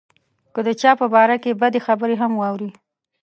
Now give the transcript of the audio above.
که د چا په باره کې بدې خبرې هم واوري.